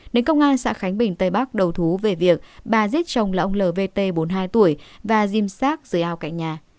đến công an xã khánh bình tây bắc đầu thú về việc bà giết chồng là ông lvt bốn mươi hai tuổi và diêm xác rời ao cạnh nhà